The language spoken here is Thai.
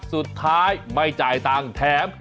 สุดท้ายไม่จ่ายตังค์แถม